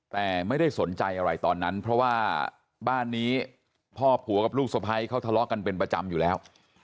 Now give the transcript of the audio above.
แต่ไม่ได้สนใจอะไรตอนนั้นเพราะว่าบ้านนี้พ่อผัวกับลูกสะพ้ายเขาทะเลาะกันเป็นประจำอยู่แล้ว